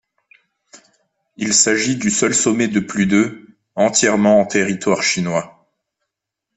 Il s'agit du seul sommet de plus de entièrement en territoire chinois.